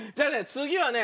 つぎはね